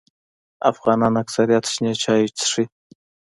افغانان اکثریت شنې چای خوري